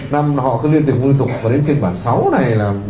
năm là họ liên tục và đến phiên bản sáu này là